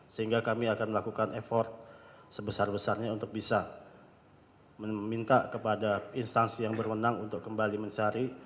sehingga kami akan melakukan effort sebesar besarnya untuk bisa meminta kepada instansi yang berwenang untuk kembali mencari